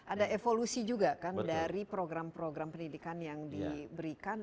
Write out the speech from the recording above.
ada evolusi juga kan dari program program pendidikan yang diberikan